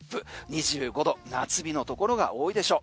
２５度夏日のところが多いでしょう。